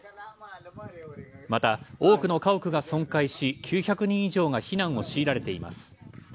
また、多くの家屋が損壊し９００人以上が避難を強いられています。